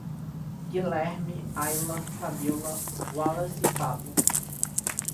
Guilerme, Aila, Fabíola, Wallace e Pablo